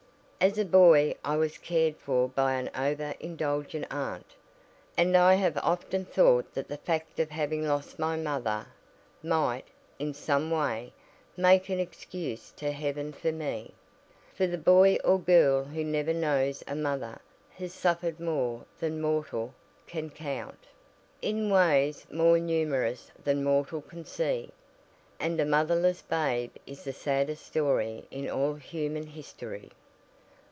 "As a boy I was cared for by an over indulgent aunt, and I have often thought that the fact of having lost my own mother might, in some way, make an excuse to heaven for me, for the boy or girl who never knows a mother has suffered more than mortal can count, in ways more numerous than mortal can see, and a motherless babe is the saddest story in all human history.